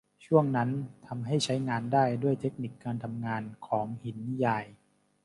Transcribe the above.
ช่วงนั้นทำให้ใช้งานได้ด้วยเทคนิคการทำงานของหินนิยาย